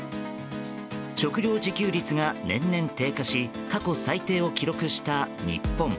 食料自給率が年々低下し過去最低を記録した日本。